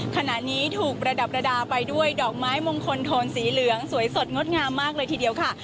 ขณะนี้ถูกประดับระดาไปด้วยดอกไม้มงคลโทนสีเหลืองสวยสดงดงามมากเลยทีเดียวค่ะ